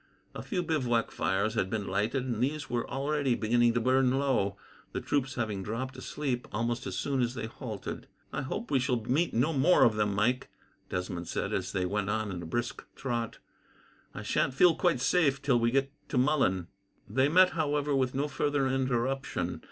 A few bivouac fires had been lighted, and these were already beginning to burn low, the troops having dropped asleep almost as soon as they halted. "I hope we shall meet no more of them, Mike," Desmond said, as they went on at a brisk trot. "I sha'n't feel quite safe till we get to Mullen." They met, however, with no further interruption.